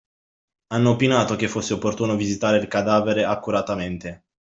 Hanno opinato che fosse opportuno visitare il cadavere accuratamente